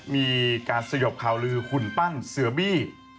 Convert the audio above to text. มีการสยบข่าวลือหุ่นปั้นเสือบี้